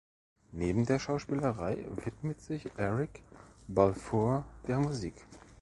Neben der Schauspielerei widmet sich Eric Balfour der Musik.